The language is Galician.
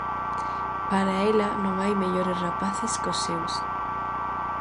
Para ela non hai mellores rapaces cós seus.